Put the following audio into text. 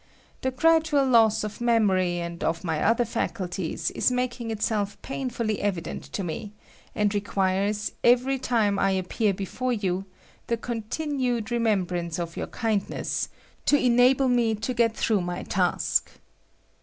The gradual loss of memory and of my other faculties is making itself painfully evident to me, and requires, every time I appear before you, the continued remembrance of your kindness to enable me to 1 CONCLUSION. 217 get through my task.